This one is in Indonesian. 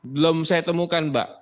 belum saya temukan mbak